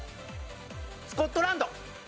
スコットランド！